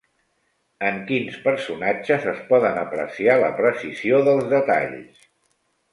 En quins personatges es poden apreciar la precisió dels detalls?